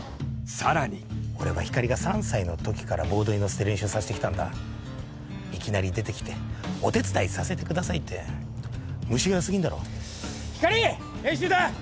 さらに俺はひかりが３歳の時からボードにのせて練習させてきたんだいきなり出てきてお手伝いさせてくださいって虫がよすぎんだろひかり練習だ！